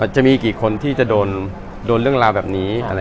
จะมีกี่คนที่จะโดนเรื่องราวแบบนี้